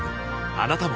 あなたも